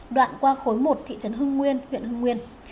đoạn qua khối một thị trấn hưng nguyên huyện hưng nguyên